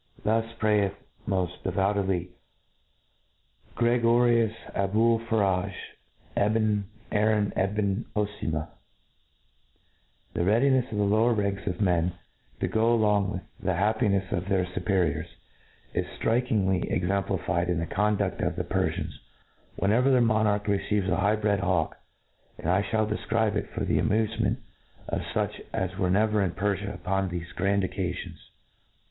Thus prayeth moft devoufly Gregorius AbuPfarage Ebn Aaron Ebn Hoci ma/' The readinefs of the lower ranks of men to go along with the happinefs of their fuperiors, is ftrikingly exemplified in the condufl: of the Per fians, whenever their monarch receives a high bred hawk ; and I fhall defcribe it for the amufe ment of fuch as were never in Perfia upon tHefe grand bccafions.